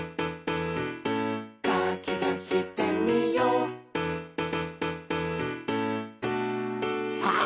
「かきたしてみよう」さあ！